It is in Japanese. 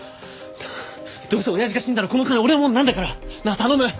どうせおやじが死んだらこの金俺のものになるんだからなあ頼む！